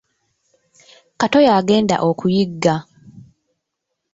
Kato yagenda okuyigga.